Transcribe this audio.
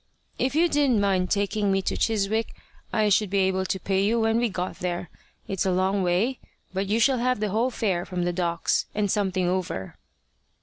"If you didn't mind taking me to Chiswick, I should be able to pay you when we got there. It's a long way, but you shall have the whole fare from the Docks and something over."